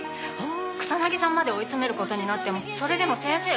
「草薙さんまで追い詰めることになってもそれでも先生は」